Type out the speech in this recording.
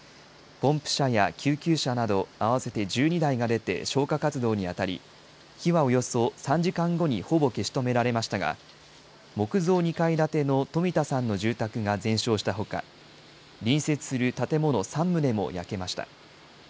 ポンプ車や救急車など合わせて１２台が出て消火活動に当たり、火はおよそ３時間後にほぼ消し止められましたが、木造２階建ての冨田さんの住宅が全焼したほか、隣接する建物３棟も焼けました。